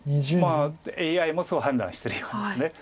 ＡＩもそう判断してるようです。